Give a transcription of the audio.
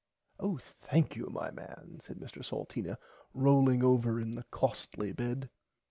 Oh thankyou my man said Mr Salteena rolling over in the costly bed.